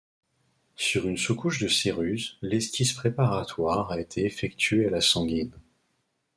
Sur une sous-couche de céruse, l'esquisse préparatoire a été effectuée à la sanguine.